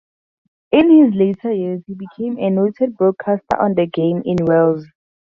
In his later years he became a noted broadcaster on the game in Wales.